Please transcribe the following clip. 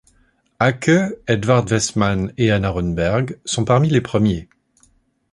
Acke, Edvard Westman et Hanna Rönneberg sont parmi les premiers.